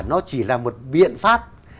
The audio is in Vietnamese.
nó chỉ là một biện pháp